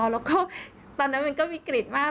แล้วก็ตอนนั้นมันก็วิกฤตมาก